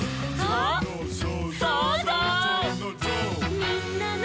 「みんなの」